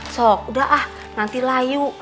sok udah ah nanti lah yuk